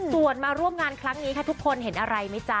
ส่วนมาร่วมงานครั้งนี้ค่ะทุกคนเห็นอะไรไหมจ๊ะ